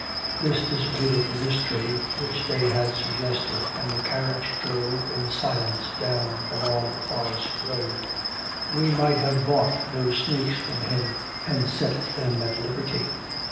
This dissipated the mystery which they had suggested, and the carriage drove in silence down the long forest road. 'We might have bought those snakes from him, and set them at liberty.'